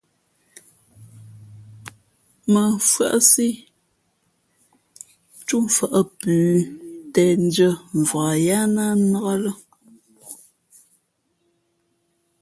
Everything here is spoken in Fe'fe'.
Mά mfʉ́άʼsí túmfα̌ʼ plǔ těʼndʉ́ά mvak yáá ná nnák lά.